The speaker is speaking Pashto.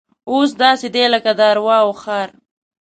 اوس داسې دی لکه د ارواو ښار.